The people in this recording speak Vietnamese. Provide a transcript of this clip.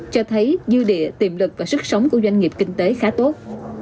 cho thấy dư địa tiềm lực và sức sống của doanh nghiệp kinh tế khá tốt